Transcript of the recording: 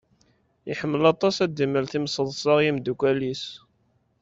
Iḥemmel aṭas ad d-imel timṣeḍsa i yimeddukal-is.